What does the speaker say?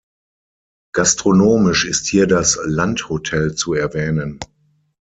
Gastronomisch ist hier das Landhotel zu erwähnen.